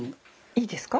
いいですか。